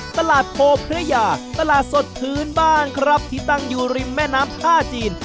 ตลาดโพพระยาตลาดสดพื้นบ้านครับที่ตั้งอยู่ริมแม่น้ำท่าจีน